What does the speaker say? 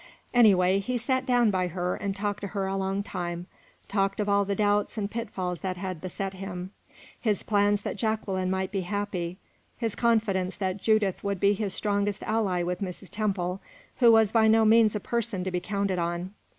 Anyway, he sat down by her, and talked to her a long time talked of all the doubts and pitfalls that had beset him; his plans that Jacqueline might be happy; his confidence that Judith would be his strongest ally with Mrs. Temple, who was by no means a person to be counted on.